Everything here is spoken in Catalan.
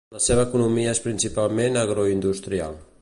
La seva economia és principalment agroindustrial.